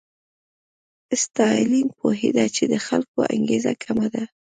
ستالین پوهېده چې د خلکو انګېزه کمه ده.